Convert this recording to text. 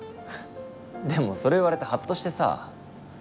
でもそれ言われてハッとしてさ。